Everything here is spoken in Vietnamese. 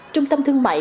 trung tâm thương mại